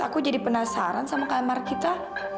aku jadi penasaran sama kamar kita